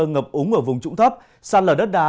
ngập úng ở vùng trũng thấp săn lở đất đá